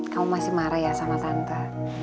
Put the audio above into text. kamu masih marah ya sama santa